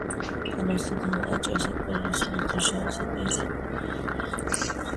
კანონის თანახმად, აჭარის ავტონომიური რესპუბლიკის დროშა არის აჭარის ავტონომიური რესპუბლიკის დროშის ერთადერთი ვარიანტი.